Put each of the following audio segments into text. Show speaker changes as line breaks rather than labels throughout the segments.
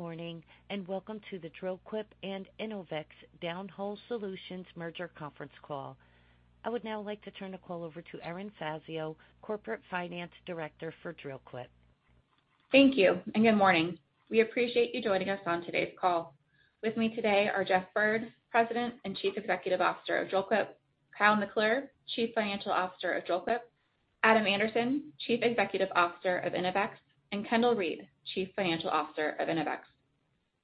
Good morning, and welcome to the Dril-Quip and Innovex Downhole Solutions Merger Conference Call. I would now like to turn the call over to Erin Fazio, Corporate Finance Director for Dril-Quip.
Thank you, and good morning. We appreciate you joining us on today's call. With me today are Jeff Bird, President and Chief Executive Officer of Dril-Quip; Kyle McClure, Chief Financial Officer of Dril-Quip; Adam Anderson, Chief Executive Officer of Innovex; and Kendall Reed, Chief Financial Officer of Innovex.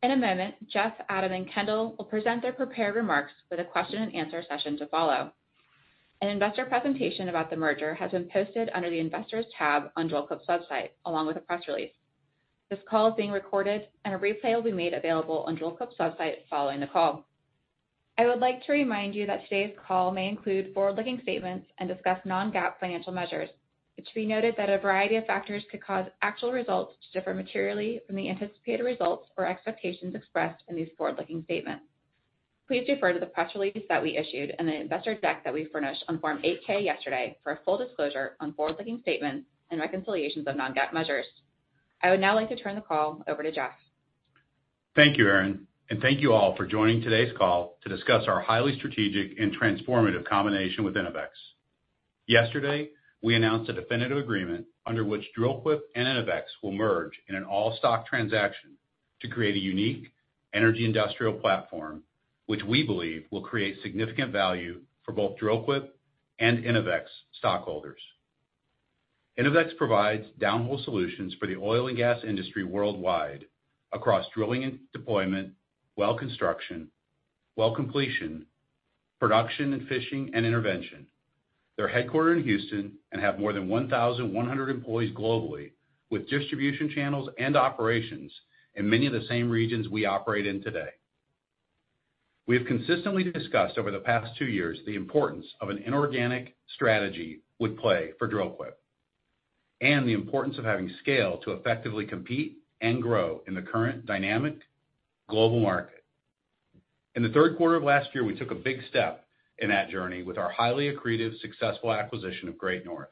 In a moment, Jeff, Adam, and Kendall will present their prepared remarks with a question and answer session to follow. An investor presentation about the merger has been posted under the Investors tab on Dril-Quip's website, along with a press release. This call is being recorded, and a replay will be made available on Dril-Quip's website following the call. I would like to remind you that today's call may include forward-looking statements and discuss non-GAAP financial measures. It should be noted that a variety of factors could cause actual results to differ materially from the anticipated results or expectations expressed in these forward-looking statements. Please refer to the press release that we issued and the investor deck that we furnished on Form 8-K yesterday for a full disclosure on forward-looking statements and reconciliations of non-GAAP measures. I would now like to turn the call over to Jeff.
Thank you, Erin, and thank you all for joining today's call to discuss our highly strategic and transformative combination with Innovex. Yesterday, we announced a definitive agreement under which Dril-Quip and Innovex will merge in an all-stock transaction to create a unique energy industrial platform, which we believe will create significant value for both Dril-Quip and Innovex stockholders. Innovex provides downhole solutions for the oil and gas industry worldwide across drilling and deployment, well construction, well completion, production and fishing, and intervention. They're headquartered in Houston and have more than 1,100 employees globally, with distribution channels and operations in many of the same regions we operate in today. We have consistently discussed over the past two years, the importance of an inorganic strategy would play for Dril-Quip, and the importance of having scale to effectively compete and grow in the current dynamic global market. In the third quarter of last year, we took a big step in that journey with our highly accretive, successful acquisition of Great North.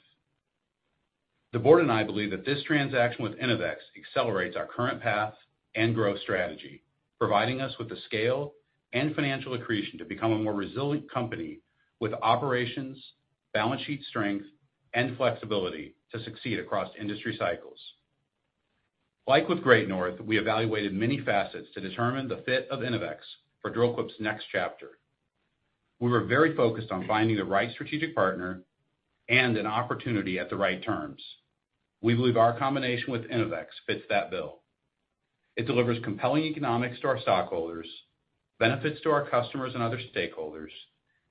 The board and I believe that this transaction with Innovex accelerates our current path and growth strategy, providing us with the scale and financial accretion to become a more resilient company with operations, balance sheet strength, and flexibility to succeed across industry cycles. Like with Great North, we evaluated many facets to determine the fit of Innovex for Dril-Quip's next chapter. We were very focused on finding the right strategic partner and an opportunity at the right terms. We believe our combination with Innovex fits that bill. It delivers compelling economics to our stockholders, benefits to our customers and other stakeholders,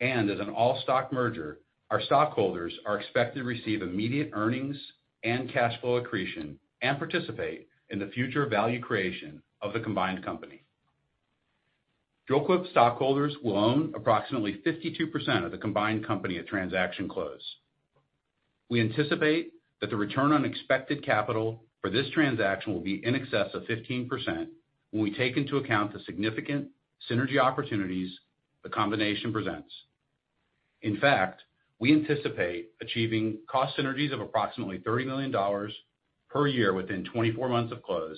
and as an all-stock merger, our stockholders are expected to receive immediate earnings and cash flow accretion and participate in the future value creation of the combined company. Dril-Quip stockholders will own approximately 52% of the combined company at transaction close. We anticipate that the return on expected capital for this transaction will be in excess of 15% when we take into account the significant synergy opportunities the combination presents. In fact, we anticipate achieving cost synergies of approximately $30 million per year within 24 months of close,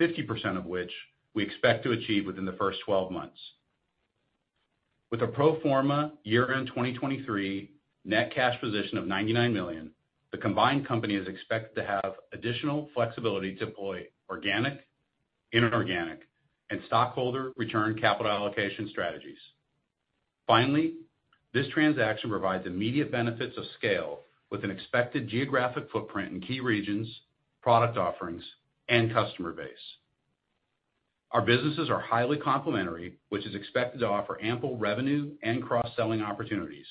50% of which we expect to achieve within the first 12 months. With a pro forma year-end 2023 net cash position of $99 million, the combined company is expected to have additional flexibility to deploy organic, inorganic, and stockholder return capital allocation strategies. Finally, this transaction provides immediate benefits of scale with an expected geographic footprint in key regions, product offerings, and customer base. Our businesses are highly complementary, which is expected to offer ample revenue and cross-selling opportunities.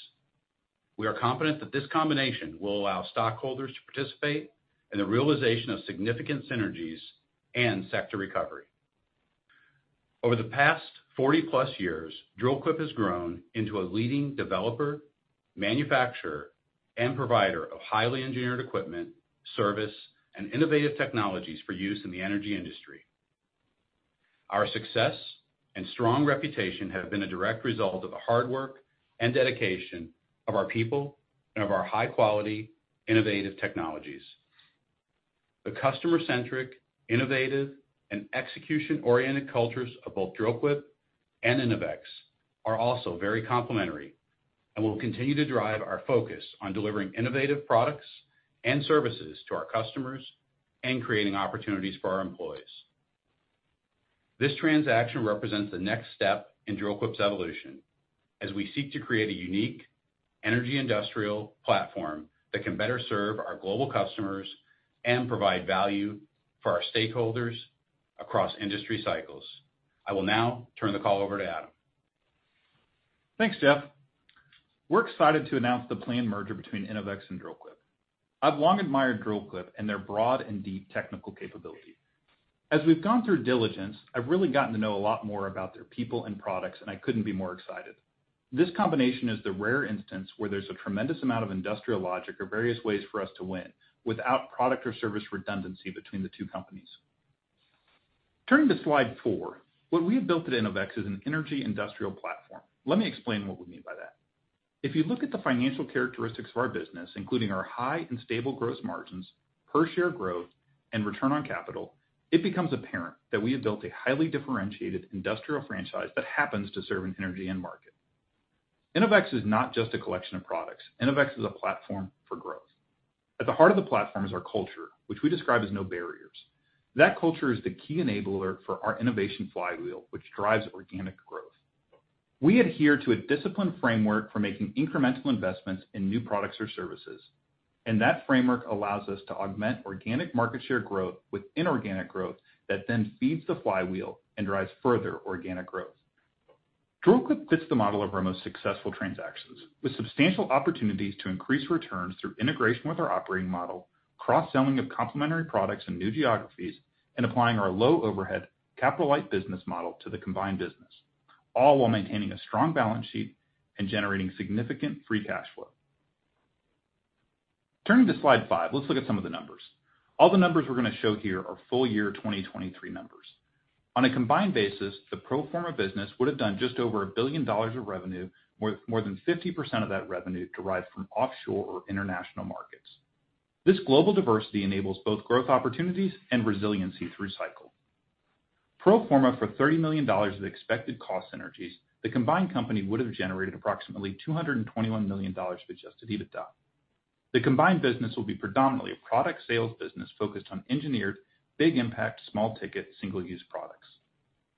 We are confident that this combination will allow stockholders to participate in the realization of significant synergies and sector recovery. Over the past 40+ years, Dril-Quip has grown into a leading developer, manufacturer, and provider of highly engineered equipment, service, and innovative technologies for use in the energy industry. Our success and strong reputation have been a direct result of the hard work and dedication of our people and of our high-quality, innovative technologies. The customer-centric, innovative, and execution-oriented cultures of both Dril-Quip and Innovex are also very complementary and will continue to drive our focus on delivering innovative products and services to our customers and creating opportunities for our employees. This transaction represents the next step in Dril-Quip's evolution as we seek to create a unique energy industrial platform that can better serve our global customers and provide value for our stakeholders across industry cycles. I will now turn the call over to Adam.
Thanks, Jeff. We're excited to announce the planned merger between Innovex and Dril-Quip. I've long admired Dril-Quip and their broad and deep technical capability. As we've gone through diligence, I've really gotten to know a lot more about their people and products, and I couldn't be more excited. This combination is the rare instance where there's a tremendous amount of industrial logic or various ways for us to win without product or service redundancy between the two companies. Turning to slide four, what we have built at Innovex is an energy industrial platform. Let me explain what we mean by that.... If you look at the financial characteristics of our business, including our high and stable gross margins, per share growth, and return on capital, it becomes apparent that we have built a highly differentiated industrial franchise that happens to serve an energy end market. Innovex is not just a collection of products. Innovex is a platform for growth. At the heart of the platform is our culture, which we describe as No Barriers. That culture is the key enabler for our innovation flywheel, which drives organic growth. We adhere to a disciplined framework for making incremental investments in new products or services, and that framework allows us to augment organic market share growth with inorganic growth that then feeds the flywheel and drives further organic growth. Dril-Quip fits the model of our most successful transactions, with substantial opportunities to increase returns through integration with our operating model, cross-selling of complementary products in new geographies, and applying our low-overhead, capital-light business model to the combined business, all while maintaining a strong balance sheet and generating significant free cash flow. Turning to slide five, let's look at some of the numbers. All the numbers we're gonna show here are full-year 2023 numbers. On a combined basis, the pro-forma business would have done just over $1 billion of revenue, more, more than 50% of that revenue derived from offshore or international markets. This global diversity enables both growth opportunities and resiliency through cycle. Pro-forma for $30 million of expected cost synergies, the combined company would have generated approximately $221 million of Adjusted EBITDA. The combined business will be predominantly a product sales business focused on engineered, big impact, small ticket, single-use products.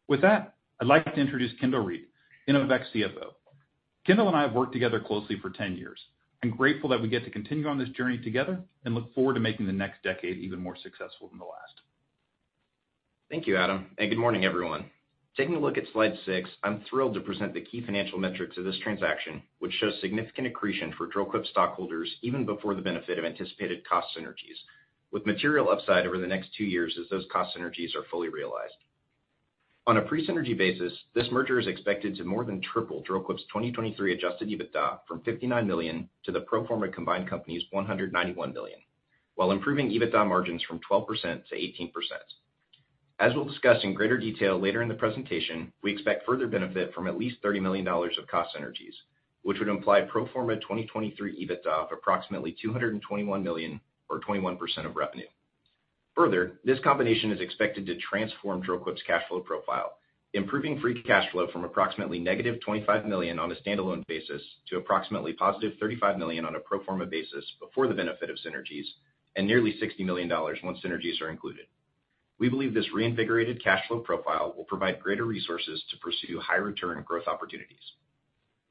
With that, I'd like to introduce Kendall Reed, Innovex CFO. Kendall and I have worked together closely for 10 years. I'm grateful that we get to continue on this journey together, and look forward to making the next decade even more successful than the last.
Thank you, Adam, and good morning, everyone. Taking a look at slide 6, I'm thrilled to present the key financial metrics of this transaction, which shows significant accretion for Dril-Quip stockholders even before the benefit of anticipated cost synergies, with material upside over the next two years as those cost synergies are fully realized. On a pre-synergy basis, this merger is expected to more than triple Dril-Quip's 2023 adjusted EBITDA from $59 million to the pro forma combined company's $191 million, while improving EBITDA margins from 12% to 18%. As we'll discuss in greater detail later in the presentation, we expect further benefit from at least $30 million of cost synergies, which would imply pro-forma 2023 EBITDA of approximately $221 million or 21% of revenue. Further, this combination is expected to transform Dril-Quip's cash flow profile, improving free cash flow from approximately negative $25 million on a standalone basis to approximately $35 million on a pro forma basis before the benefit of synergies, and nearly $60 million once synergies are included. We believe this reinvigorated cash flow profile will provide greater resources to pursue high return growth opportunities.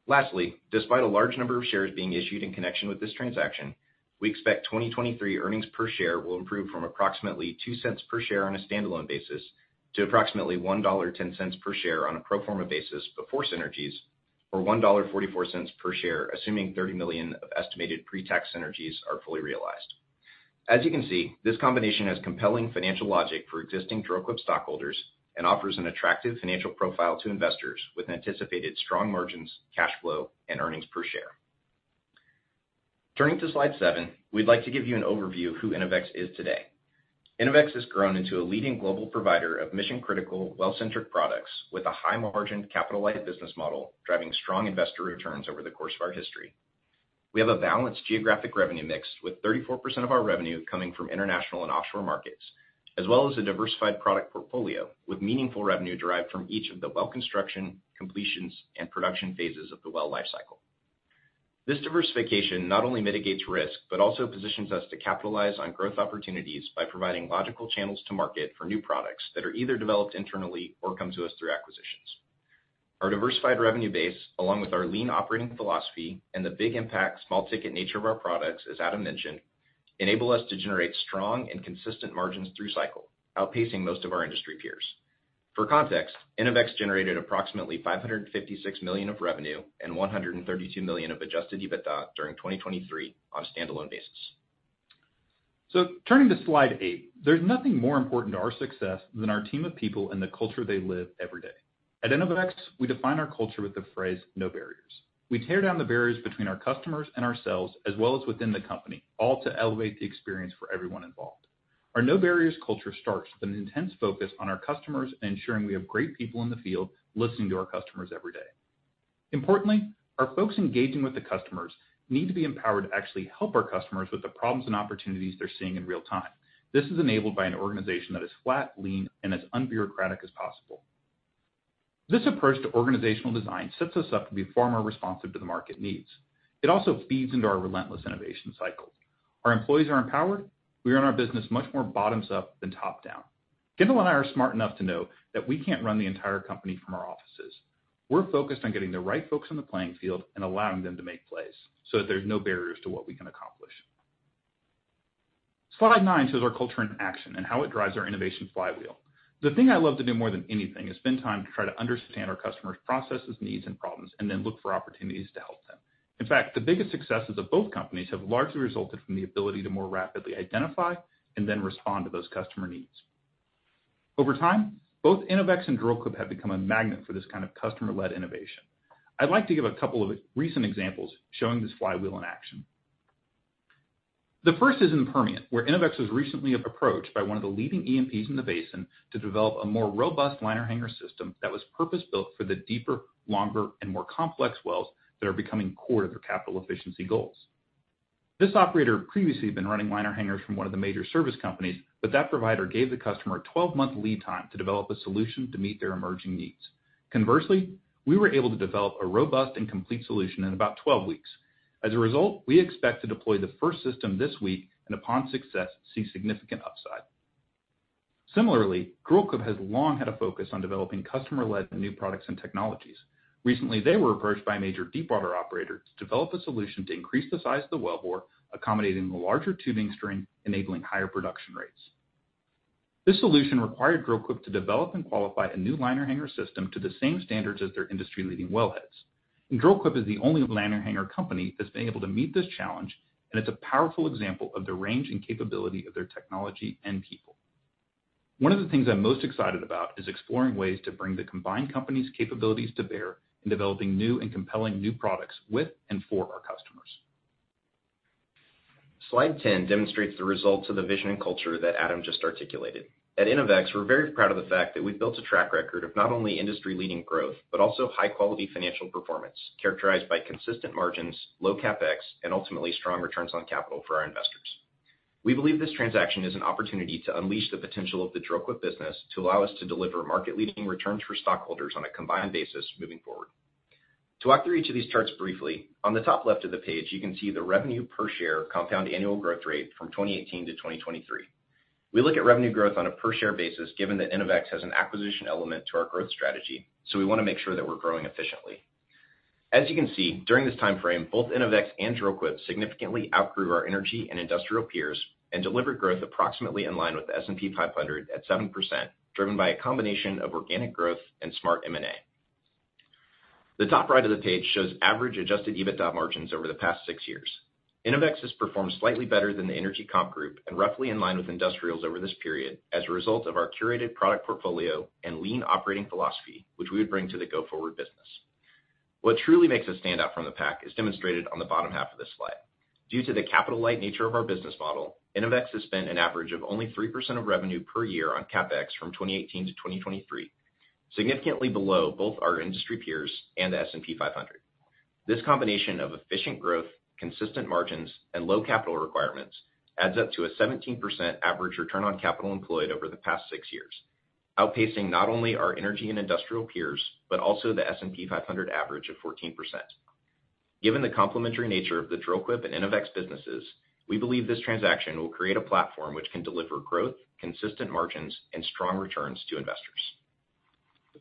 Lastly, despite a large number of shares being issued in connection with this transaction, we expect 2023 earnings per share will improve from approximately $0.02 per share on a standalone basis to approximately $1.10 per share on a pro forma basis before synergies, or $1.44 per share, assuming $30 million of estimated pre-tax synergies are fully realized. As you can see, this combination has compelling financial logic for existing Dril-Quip stockholders and offers an attractive financial profile to investors with anticipated strong margins, cash flow, and earnings per share. Turning to slide seven, we'd like to give you an overview of who Innovex is today. Innovex has grown into a leading global provider of mission-critical, well-centric products with a high-margin, capital-light business model, driving strong investor returns over the course of our history. We have a balanced geographic revenue mix, with 34% of our revenue coming from international and offshore markets, as well as a diversified product portfolio, with meaningful revenue derived from each of the well construction, completions, and production phases of the well life cycle. This diversification not only mitigates risk, but also positions us to capitalize on growth opportunities by providing logical channels to market for new products that are either developed internally or come to us through acquisitions. Our diversified revenue base, along with our lean operating philosophy and the big impact, small ticket nature of our products, as Adam mentioned, enable us to generate strong and consistent margins through cycle, outpacing most of our industry peers. For context, Innovex generated approximately $556 million of revenue and $132 million of Adjusted EBITDA during 2023 on a standalone basis.
Turning to slide 8, there's nothing more important to our success than our team of people and the culture they live every day. At Innovex, we define our culture with the phrase, "No Barriers." We tear down the barriers between our customers and ourselves, as well as within the company, all to elevate the experience for everyone involved. Our No Barriers culture starts with an intense focus on our customers and ensuring we have great people in the field listening to our customers every day. Importantly, our folks engaging with the customers need to be empowered to actually help our customers with the problems and opportunities they're seeing in real time. This is enabled by an organization that is flat, lean, and as unbureaucratic as possible. This approach to organizational design sets us up to be far more responsive to the market needs. It also feeds into our relentless innovation cycle. Our employees are empowered. We run our business much more bottoms up than top down. Kendall and I are smart enough to know that we can't run the entire company from our offices. We're focused on getting the right folks on the playing field and allowing them to make plays, so that there's No Barriers to what we can accomplish. Slide 9 shows our culture in action and how it drives our Innovation flywheel. The thing I love to do more than anything is spend time to try to understand our customers' processes, needs, and problems, and then look for opportunities to help them. In fact, the biggest successes of both companies have largely resulted from the ability to more rapidly identify and then respond to those customer needs. Over time, both Innovex and Dril-Quip have become a magnet for this kind of customer-led innovation. I'd like to give a couple of recent examples showing this flywheel in action. The first is in the Permian, where Innovex was recently approached by one of the leading E&Ps in the basin to develop a more robust liner hanger system that was purpose-built for the deeper, longer, and more complex wells that are becoming core to their capital efficiency goals. This operator had previously been running liner hangers from one of the major service companies, but that provider gave the customer a 12-month lead time to develop a solution to meet their emerging needs. Conversely, we were able to develop a robust and complete solution in about 12 weeks. As a result, we expect to deploy the first system this week, and upon success, see significant upside. Similarly, Dril-Quip has long had a focus on developing customer-led new products and technologies. Recently, they were approached by a major deepwater operator to develop a solution to increase the size of the wellbore, accommodating the larger tubing string, enabling higher production rates. This solution required Dril-Quip to develop and qualify a new liner hanger system to the same standards as their industry-leading wellheads. Dril-Quip is the only liner hanger company that's been able to meet this challenge, and it's a powerful example of the range and capability of their technology and people. One of the things I'm most excited about is exploring ways to bring the combined company's capabilities to bear in developing new and compelling new products with and for our customers.
Slide 10 demonstrates the results of the vision and culture that Adam just articulated. At Innovex, we're very proud of the fact that we've built a track record of not only industry-leading growth, but also high-quality financial performance, characterized by consistent margins, low CapEx, and ultimately, strong returns on capital for our investors. We believe this transaction is an opportunity to unleash the potential of the Dril-Quip business to allow us to deliver market-leading returns for stockholders on a combined basis moving forward. To walk through each of these charts briefly, on the top left of the page, you can see the revenue per share compound annual growth rate from 2018 to 2023. We look at revenue growth on a per share basis, given that Innovex has an acquisition element to our growth strategy, so we wanna make sure that we're growing efficiently. As you can see, during this time frame, both Innovex and Dril-Quip significantly outgrew our energy and industrial peers and delivered growth approximately in line with the S&P 500 at 7%, driven by a combination of organic growth and smart M&A. The top right of the page shows average adjusted EBITDA margins over the past six years. Innovex has performed slightly better than the energy comp group and roughly in line with industrials over this period as a result of our curated product portfolio and lean operating philosophy, which we would bring to the go-forward business. What truly makes us stand out from the pack is demonstrated on the bottom half of this slide. Due to the capital-light nature of our business model, Innovex has spent an average of only 3% of revenue per year on CapEx from 2018 to 2023, significantly below both our industry peers and the S&P 500. This combination of efficient growth, consistent margins, and low capital requirements adds up to a 17% average return on capital employed over the past 6 years, outpacing not only our energy and industrial peers, but also the S&P 500 average of 14%. Given the complementary nature of the Dril-Quip and Innovex businesses, we believe this transaction will create a platform which can deliver growth, consistent margins, and strong returns to investors.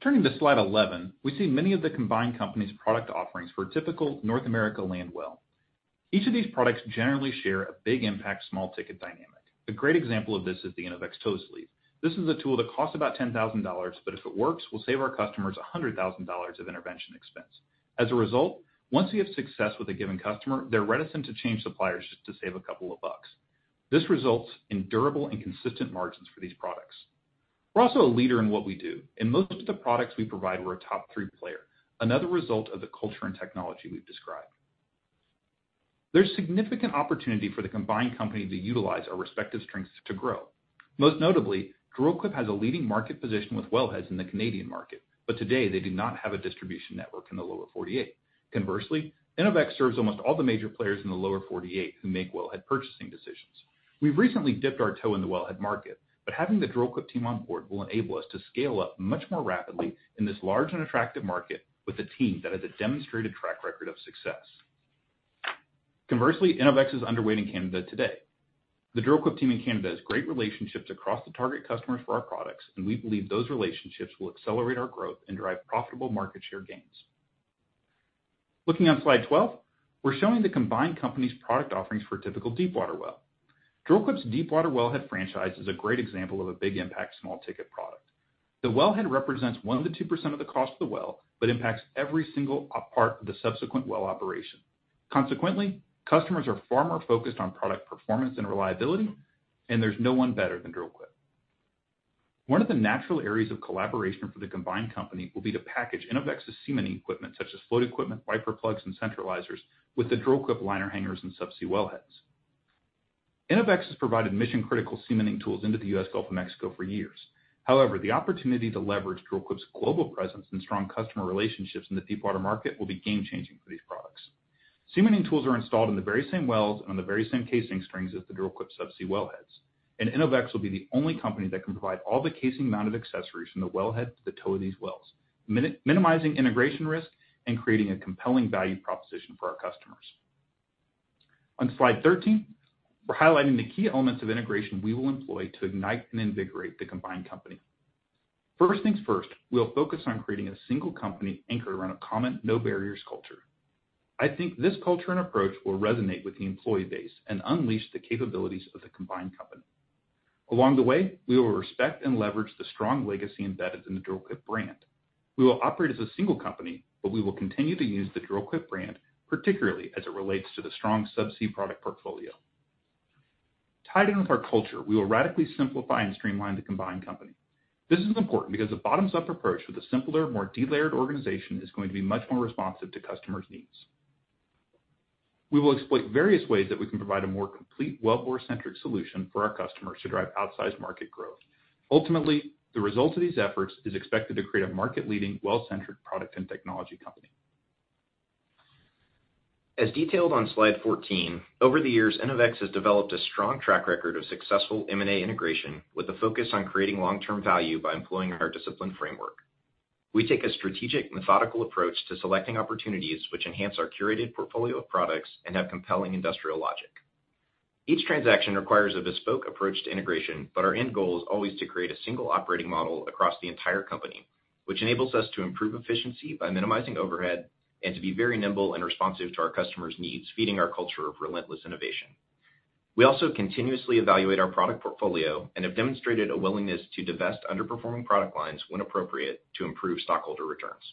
Turning to slide 11, we see many of the combined company's product offerings for a typical North America land well. Each of these products generally share a big impact, small ticket dynamic. A great example of this is the Innovex toe sleeve. This is a tool that costs about $10,000, but if it works, will save our customers $100,000 of intervention expense. As a result, once we have success with a given customer, they're reticent to change suppliers just to save a couple of bucks. This results in durable and consistent margins for these products. We're also a leader in what we do. In most of the products we provide, we're a top three player, another result of the culture and technology we've described. There's significant opportunity for the combined company to utilize our respective strengths to grow. Most notably, Dril-Quip has a leading market position with wellheads in the Canadian market, but today they do not have a distribution network in the Lower 48. Conversely, Innovex serves almost all the major players in the Lower 48 who make wellhead purchasing decisions. We've recently dipped our toe in the wellhead market, but having the Dril-Quip team on board will enable us to scale up much more rapidly in this large and attractive market with a team that has a demonstrated track record of success. Conversely, Innovex is underweight in Canada today. The Dril-Quip team in Canada has great relationships across the target customers for our products, and we believe those relationships will accelerate our growth and drive profitable market share gains. Looking on slide 12, we're showing the combined company's product offerings for a typical deepwater well. Dril-Quip's deepwater wellhead franchise is a great example of a big impact, small ticket product. The wellhead represents 1%-2% of the cost of the well, but impacts every single part of the subsequent well operation. Consequently, customers are far more focused on product performance and reliability, and there's no one better than Dril-Quip. One of the natural areas of collaboration for the combined company will be to package Innovex's cementing equipment, such as float equipment, wiper plugs, and centralizers, with the Dril-Quip liner hangers and subsea wellheads. Innovex has provided mission-critical cementing tools into the US Gulf of Mexico for years. However, the opportunity to leverage Dril-Quip's global presence and strong customer relationships in the deepwater market will be game-changing for these products. Cementing tools are installed in the very same wells and on the very same casing strings as the Dril-Quip subsea wellheads, and Innovex will be the only company that can provide all the casing-mounted accessories from the wellhead to the toe of these wells, minimizing integration risk and creating a compelling value proposition for our customers. On slide 13, we're highlighting the key elements of integration we will employ to ignite and invigorate the combined company. First things first, we'll focus on creating a single company anchored around a common, No Barriers culture. I think this culture and approach will resonate with the employee base and unleash the capabilities of the combined company. Along the way, we will respect and leverage the strong legacy embedded in the Dril-Quip brand. We will operate as a single company, but we will continue to use the Dril-Quip brand, particularly as it relates to the strong subsea product portfolio.... Tied in with our culture, we will radically simplify and streamline the combined company. This is important because a bottoms-up approach with a simpler, more delayered organization is going to be much more responsive to customers' needs. We will exploit various ways that we can provide a more complete, wellbore-centric solution for our customers to drive outsized market growth. Ultimately, the result of these efforts is expected to create a market-leading, well-centered product and technology company.
As detailed on slide 14, over the years, Innovex has developed a strong track record of successful M&A integration, with a focus on creating long-term value by employing our disciplined framework. We take a strategic, methodical approach to selecting opportunities which enhance our curated portfolio of products and have compelling industrial logic. Each transaction requires a bespoke approach to integration, but our end goal is always to create a single operating model across the entire company, which enables us to improve efficiency by minimizing overhead and to be very nimble and responsive to our customers' needs, feeding our culture of relentless innovation. We also continuously evaluate our product portfolio and have demonstrated a willingness to divest underperforming product lines when appropriate to improve stockholder returns.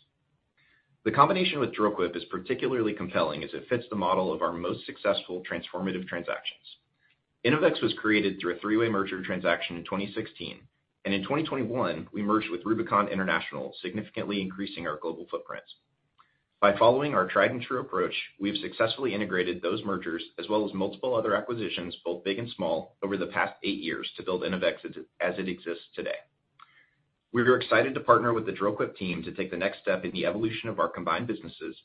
The combination with Dril-Quip is particularly compelling, as it fits the model of our most successful transformative transactions. Innovex was created through a three-way merger transaction in 2016, and in 2021, we merged with Rubicon International, significantly increasing our global footprints. By following our tried-and-true approach, we've successfully integrated those mergers as well as multiple other acquisitions, both big and small, over the past eight years to build Innovex as it, as it exists today. We are excited to partner with the Dril-Quip team to take the next step in the evolution of our combined businesses,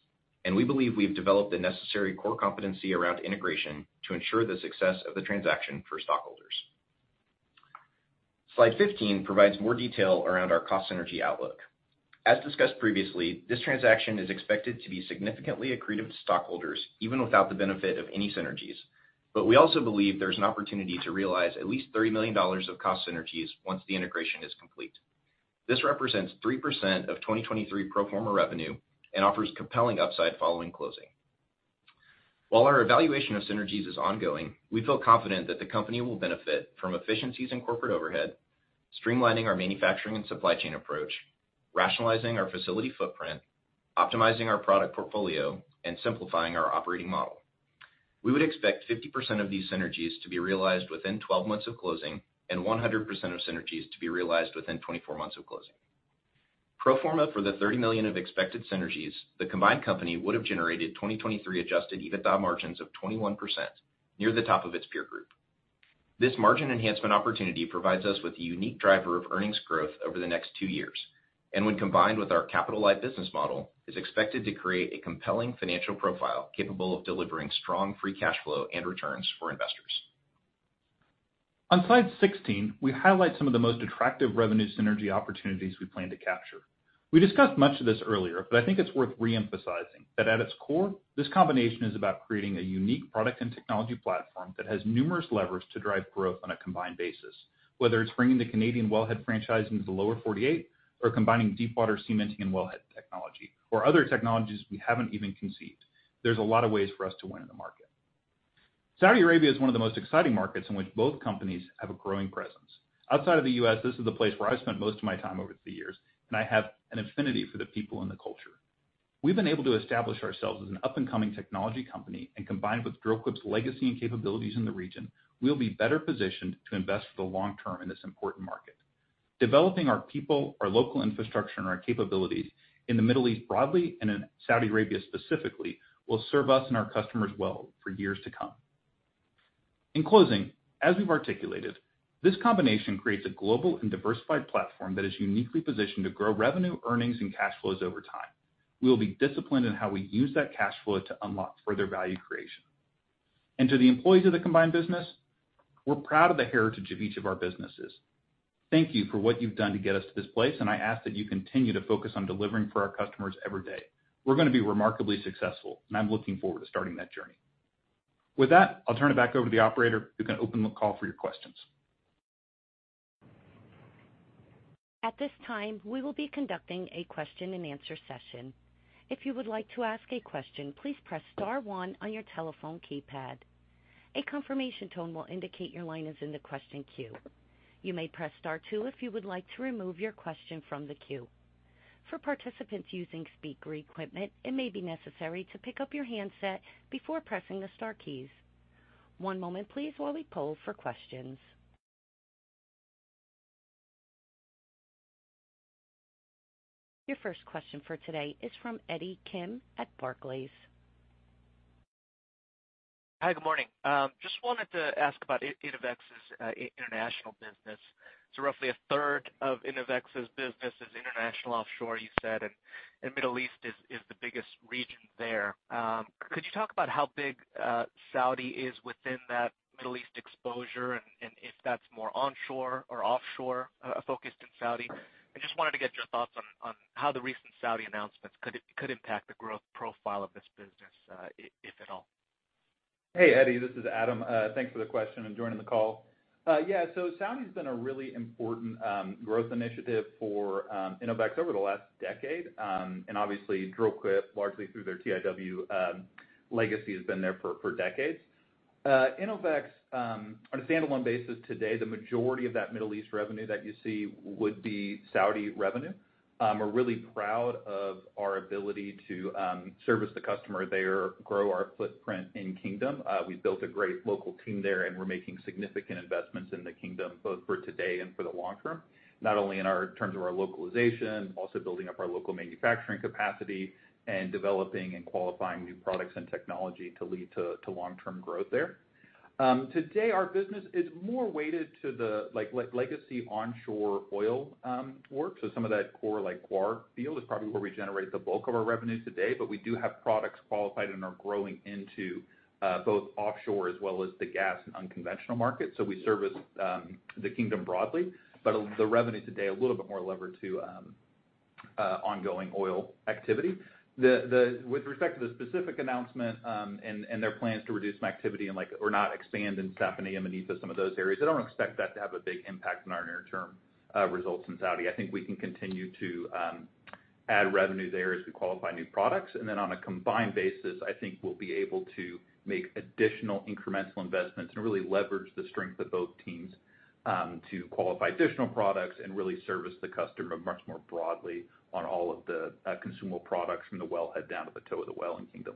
and we believe we've developed the necessary core competency around integration to ensure the success of the transaction for stockholders. Slide 15 provides more detail around our cost synergy outlook. As discussed previously, this transaction is expected to be significantly accretive to stockholders, even without the benefit of any synergies, but we also believe there's an opportunity to realize at least $30 million of cost synergies once the integration is complete. This represents 3% of 2023 pro forma revenue and offers compelling upside following closing. While our evaluation of synergies is ongoing, we feel confident that the company will benefit from efficiencies in corporate overhead, streamlining our manufacturing and supply chain approach, rationalizing our facility footprint, optimizing our product portfolio, and simplifying our operating model. We would expect 50% of these synergies to be realized within 12 months of closing and 100% of synergies to be realized within 24 months of closing. Pro forma for the $30 million of expected synergies, the combined company would have generated 2023 adjusted EBITDA margins of 21%, near the top of its peer group. This margin enhancement opportunity provides us with a unique driver of earnings growth over the next two years, and when combined with our capital-light business model, is expected to create a compelling financial profile capable of delivering strong free cash flow and returns for investors.
On slide 16, we highlight some of the most attractive revenue synergy opportunities we plan to capture. We discussed much of this earlier, but I think it's worth reemphasizing, that at its core, this combination is about creating a unique product and technology platform that has numerous levers to drive growth on a combined basis, whether it's bringing the Canadian wellhead franchising to the Lower 48, or combining deepwater cementing and wellhead technology or other technologies we haven't even conceived. There's a lot of ways for us to win in the market. Saudi Arabia is one of the most exciting markets in which both companies have a growing presence. Outside of the U.S., this is the place where I've spent most of my time over the years, and I have an affinity for the people and the culture. We've been able to establish ourselves as an up-and-coming technology company, and combined with Dril-Quip's legacy and capabilities in the region, we'll be better positioned to invest for the long term in this important market. Developing our people, our local infrastructure, and our capabilities in the Middle East broadly, and in Saudi Arabia specifically, will serve us and our customers well for years to come. In closing, as we've articulated, this combination creates a global and diversified platform that is uniquely positioned to grow revenue, earnings, and cash flows over time. We will be disciplined in how we use that cash flow to unlock further value creation. To the employees of the combined business, we're proud of the heritage of each of our businesses. Thank you for what you've done to get us to this place, and I ask that you continue to focus on delivering for our customers every day. We're gonna be remarkably successful, and I'm looking forward to starting that journey. With that, I'll turn it back over to the operator, who can open the call for your questions.
At this time, we will be conducting a question-and-answer session. If you would like to ask a question, please press star one on your telephone keypad. A confirmation tone will indicate your line is in the question queue. You may press star two if you would like to remove your question from the queue. For participants using speaker equipment, it may be necessary to pick up your handset before pressing the star keys. One moment please while we poll for questions. Your first question for today is from Eddie Kim at Barclays.
Hi, good morning. Just wanted to ask about Innovex's international business. So roughly a third of Innovex's business is international offshore, you said, and Middle East is the biggest region there. Could you talk about how big Saudi is within that Middle East exposure, and if that's more onshore or offshore focused in Saudi? I just wanted to get your thoughts on how the recent Saudi announcements could impact the growth profile of this business, if at all.
Hey, Eddie, this is Adam. Thanks for the question and joining the call. Yeah, so Saudi's been a really important growth initiative for Innovex over the last decade. And obviously, Dril-Quip, largely through their TIW legacy, has been there for decades. Innovex, on a standalone basis today, the majority of that Middle East revenue that you see would be Saudi revenue. We're really proud of our ability to service the customer there, grow our footprint in Kingdom. We've built a great local team there, and we're making significant investments in the Kingdom, both for today and for the long term, not only in our terms of our localization, also building up our local manufacturing capacity and developing and qualifying new products and technology to lead to long-term growth there. Today, our business is more weighted to the, like, legacy onshore oil work. So some of that core, like, Ghawar Field, is probably where we generate the bulk of our revenue today, but we do have products qualified and are growing into both offshore as well as the gas and unconventional markets. So we service the Kingdom broadly, but the revenue today a little bit more levered to ongoing oil activity. With respect to the specific announcement and their plans to reduce some activity or not expand in Safaniya and Manifa, some of those areas, I don't expect that to have a big impact on our near-term results in Saudi Arabia. I think we can continue to add revenue there as we qualify new products, and then on a combined basis, I think we'll be able to make additional incremental investments and really leverage the strength of both teams to qualify additional products and really service the customer much more broadly on all of the consumable products from the wellhead down to the toe of the well in Kingdom.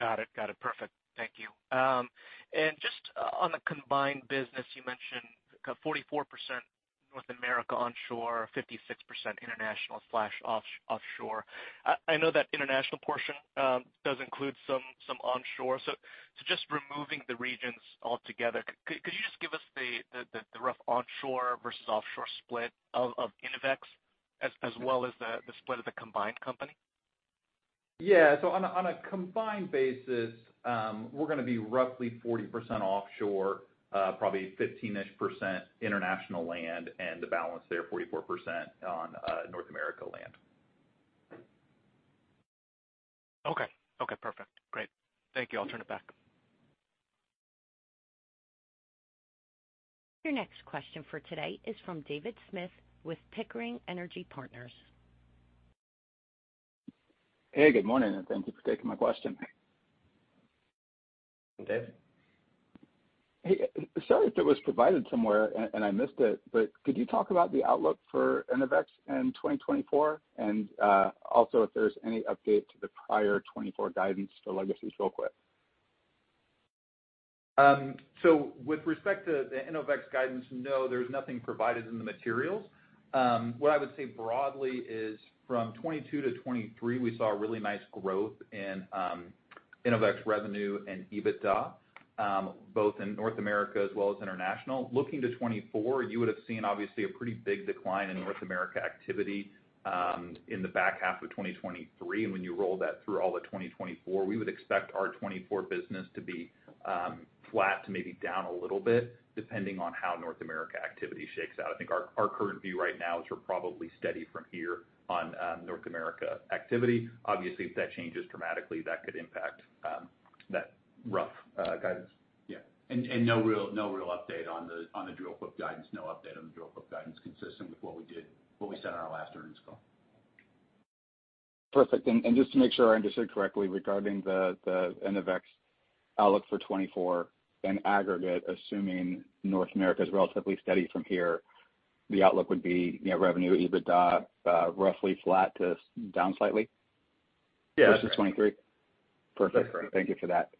Got it. Got it. Perfect. Thank you. And just, on the combined business, you mentioned, 44% North America onshore, 56% international/offshore. I know that international portion does include some onshore. So just removing the regions altogether, could you just give us the rough onshore versus offshore split of Innovex as well as the split of the combined company?
Yeah. So on a combined basis, we're gonna be roughly 40% offshore, probably 15-ish% international land, and the balance there, 44% on North America land.
Okay. Okay, perfect. Great. Thank you. I'll turn it back.
Your next question for today is from David Smith with Pickering Energy Partners.
Hey, good morning, and thank you for taking my question.
Hey, Dave.
Hey, sorry if it was provided somewhere, and I missed it, but could you talk about the outlook for Innovex in 2024? And, also, if there's any update to the prior 2024 guidance for Dril-Quip real quick.
So with respect to the Innovex guidance, no, there's nothing provided in the materials. What I would say broadly is from 2022 to 2023, we saw a really nice growth in Innovex revenue and EBITDA, both in North America as well as international. Looking to 2024, you would have seen, obviously, a pretty big decline in North America activity in the back-half of 2023. And when you roll that through all of 2024, we would expect our 2024 business to be flat to maybe down a little bit, depending on how North America activity shakes out. I think our current view right now is we're probably steady from here on, North America activity. Obviously, if that changes dramatically, that could impact that rough guidance.
Yeah, no real update on the Dril-Quip guidance. No update on the Dril-Quip guidance, consistent with what we said on our last earnings call.
Perfect. And just to make sure I understood correctly, regarding the Innovex outlook for 2024 in aggregate, assuming North America is relatively steady from here, the outlook would be, you know, revenue, EBITDA, roughly flat to down slightly?
Yeah.
Versus 2023? Perfect.
Correct.
Thank you for that.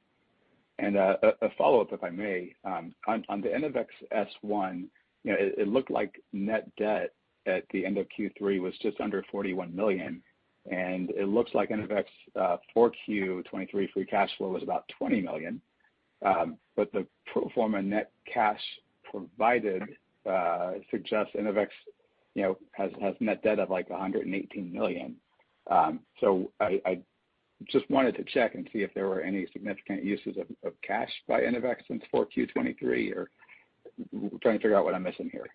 A follow-up, if I may. On the Innovex S-1, you know, it looked like net debt at the end of Q3 was just under $41 million, and it looks like Innovex 4Q 2023 free cash flow was about $20 million. The pro forma net cash provided suggests Innovex, you know, has net debt of, like, $118 million. I just wanted to check and see if there were any significant uses of cash by Innovex since 4Q 2023, or trying to figure out what I'm missing here.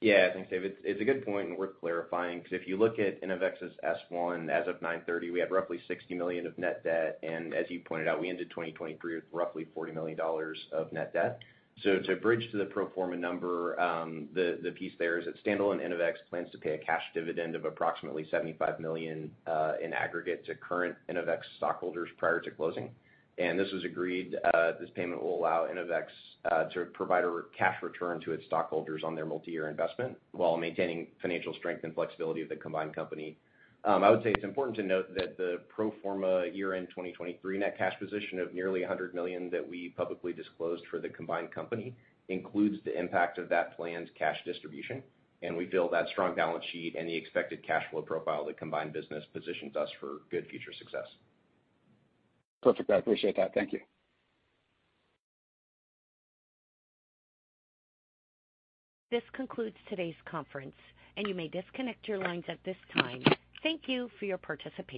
Yeah, thanks, David. It's a good point, and worth clarifying, because if you look at Innovex's S-1, as of 9/30, we had roughly $60 million of net debt, and as you pointed out, we ended 2023 with roughly $40 million of net debt. So, to bridge to the pro-forma number, the piece there is that standalone Innovex plans to pay a cash dividend of approximately $75 million in aggregate to current Innovex stockholders prior to closing. This was agreed, this payment will allow Innovex to provide a cash return to its stockholders on their multi-year investment while maintaining financial strength and flexibility of the combined company. I would say it's important to note that the pro forma year-end 2023 net cash position of nearly $100 million that we publicly disclosed for the combined company includes the impact of that planned cash distribution, and we feel that strong balance sheet and the expected cash flow profile of the combined business positions us for good future success.
Perfect. I appreciate that. Thank you.
This concludes today's conference, and you may disconnect your lines at this time. Thank you for your participation.